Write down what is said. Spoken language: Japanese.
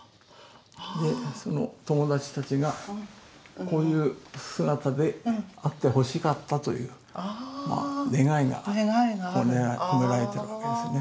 その友達たちがこういう姿であってほしかったという願いが込められてるわけですね。